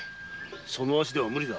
その足では無理だ。